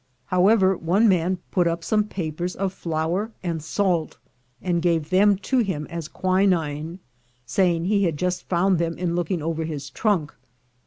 However, one man put up some papers of flour and salt, and gave them to him as quinine, saying he had just found them in looking over his trunk.